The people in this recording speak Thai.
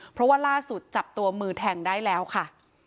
เพราะว่าล่าสุดจับตัวมือแทงได้แล้วค่ะ